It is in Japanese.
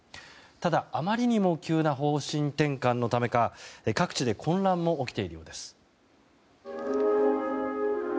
ただ、あまりにも急な方針転換のためか各地で混乱も起きているようです。